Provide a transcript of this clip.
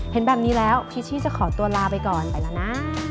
เห็นแบบนี้แล้วพิชชี่จะขอตัวลาไปก่อนไปแล้วนะ